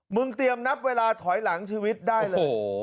เตรียมนับเวลาถอยหลังชีวิตได้เลย